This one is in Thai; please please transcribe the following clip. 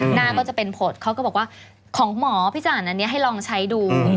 หน้าก็จะเป็นผลเขาก็บอกว่าของหมอพี่จันอันนี้ให้ลองใช้ดู